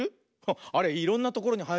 あれいろんなところにはえてるよね。